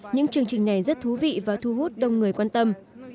những chương trình này rất thú vị và thu hút đông người quan tâm